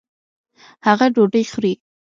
هغه ډوډۍ خوري.